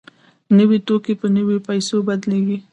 نوي توکي په نویو پیسو بدلېږي